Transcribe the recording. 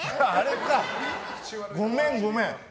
ごめん、ごめん。